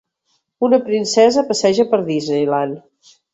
Una princesa passeja per Disneyland.